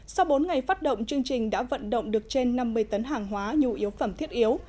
sau bốn ngày phát động chương trình đã vận động được trên năm mươi tấn hàng hóa nhu yếu phẩm thiết yếu